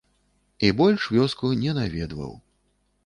І больш вёску не наведаў.